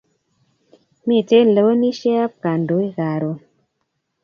Miten lewenisheab kandoik karun